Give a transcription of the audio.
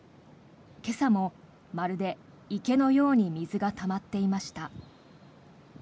今朝もまるで池のように水がたまっていました。